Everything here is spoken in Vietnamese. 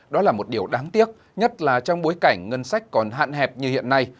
đó là một điều đáng tiếc nhất là trong bối cảnh ngân sách còn hạn hẹp như hiện nay